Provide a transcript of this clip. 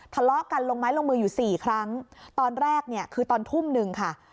ทะเลาะกันลงไม้ลงมืออยู่สี่ครั้งตอนแรกเนี่ยคือตอนทุ่มหนึ่งค่ะ